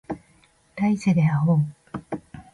来世で会おう